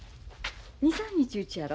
２３日うちやろ？